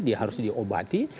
dia harus diobati